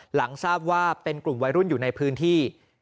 หลังทราบว่าเป็นกลุ่มวัยรุ่นอยู่ในพื้นที่